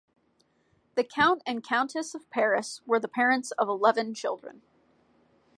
The Count and Countess of Paris were the parents of eleven children.